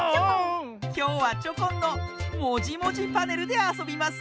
きょうはチョコンの「もじもじパネル」であそびますよ。